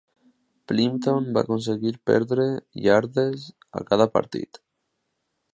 Plimpton va aconseguir perdre iardes a cada partit.